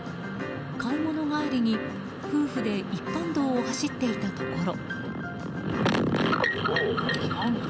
買い物帰りに、夫婦で一般道を走っていたところ。